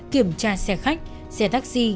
kiểm tra xe khách xe taxi